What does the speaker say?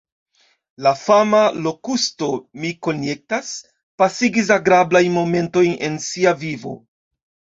La fama Lokusto, mi konjektas, pasigis agrablajn momentojn en sia vivo.